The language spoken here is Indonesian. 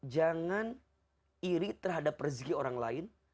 jangan iri terhadap rezeki orang lain